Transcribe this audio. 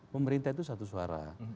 pemerintah itu satu suara